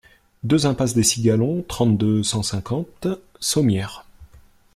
deux impasse des Cigalons, trente, deux cent cinquante, Sommières